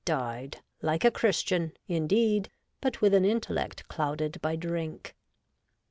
105 died ' like a Christian,' indeed, but with an intellect clouded by drink.